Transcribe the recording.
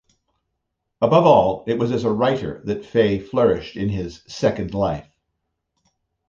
Above all, it was as a writer that Fei flourished in his 'second life'.